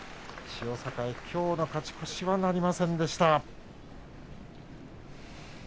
千代栄のきょうの勝ち越しはなりませんでした。